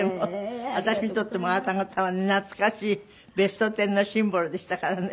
私にとってもあなた方は懐かしい『ベストテン』のシンボルでしたからね。